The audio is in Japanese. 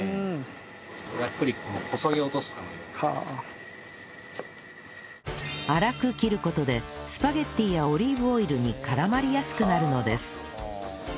ざっくり粗く切る事でスパゲッティやオリーブオイルに絡まりやすくなるのです